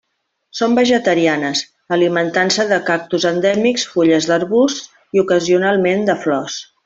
Són vegetarianes, alimentant-se de cactus endèmics, fulles d'arbusts i ocasionalment de flors.